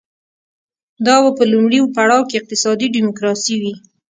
دا به په لومړي پړاو کې اقتصادي ډیموکراسي وي